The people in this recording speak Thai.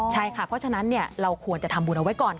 ใช่ค่ะเพราะฉะนั้นเราควรจะทำบุญเอาไว้ก่อน